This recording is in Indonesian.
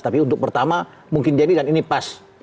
tapi untuk pertama mungkin dendy kan ini pas